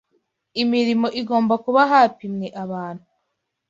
Imirimo igomba kuba hapimwe abantu.